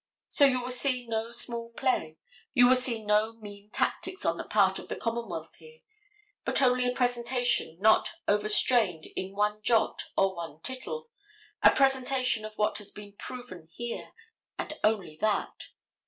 So you will see no small play, you will see no mean tactics on the part of the commonwealth here, but only a presentation not overstrained in one jot or one tittle, a presentation of what has been proven here, and only that.